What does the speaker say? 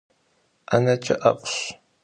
'eneç'e 'ef'ş.